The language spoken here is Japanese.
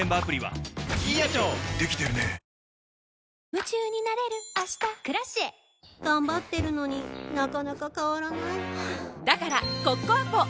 夢中になれる明日「Ｋｒａｃｉｅ」頑張ってるのになかなか変わらないはぁだからコッコアポ！